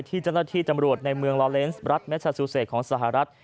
ที่จันทราที่จำรวจในเมืองลอเลนซ์บรัสเมซาซูเศษของสหรัฐ